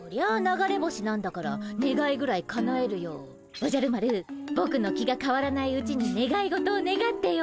おじゃる丸ぼくの気がかわらないうちにねがい事をねがってよ。